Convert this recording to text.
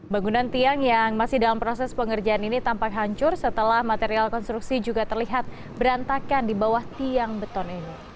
bangunan tiang yang masih dalam proses pengerjaan ini tampak hancur setelah material konstruksi juga terlihat berantakan di bawah tiang beton ini